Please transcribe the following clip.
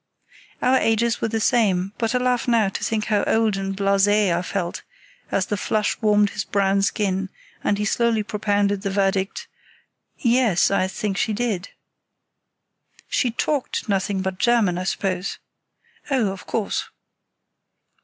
Our ages were the same, but I laugh now to think how old and blasé I felt as the flush warmed his brown skin, and he slowly propounded the verdict, "Yes, I think she did." "She talked nothing but German, I suppose?" "Oh, of course."